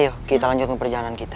yuk kita lanjutkan perjalanan kita